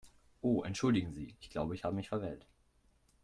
Oh entschuldigen Sie, ich glaube, ich habe mich verwählt.